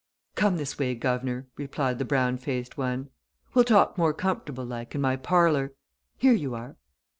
"Come this way, guv'nor," replied the brown faced one. "Well talk more comfortable, like, in my parlour. Here you are!"